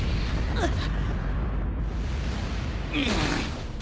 あっ！？